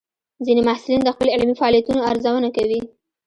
ځینې محصلین د خپل علمي فعالیتونو ارزونه کوي.